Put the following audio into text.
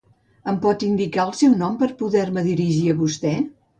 Em pot indicar el seu nom per poder-me dirigir a vostè?